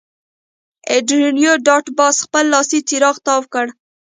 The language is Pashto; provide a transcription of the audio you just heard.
انډریو ډاټ باس خپل لاسي څراغ تاو کړ